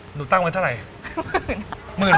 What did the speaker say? ตั้งไว้เท่าไหร่